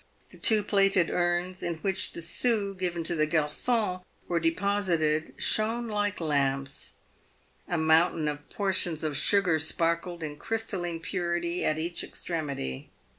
The two plated urns in which the sous given to the garcons were deposited shone like lamps. A mountain of portions of sugar sparkled in crystalline purity at each extremity.